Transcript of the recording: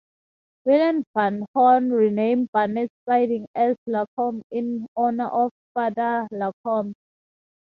William Van Horne renamed Barnett's Siding as Lacombe in honour of Father Lacombe.